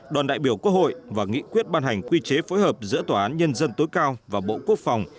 đoàn đại biểu quốc hội và nghị quyết ban hành quy chế phối hợp giữa tòa án nhân dân tối cao và bộ quốc phòng